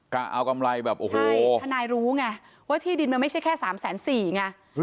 กะเอากำไรแบบโอ้โหทนายรู้ไงว่าที่ดินมันไม่ใช่แค่สามแสนสี่ไง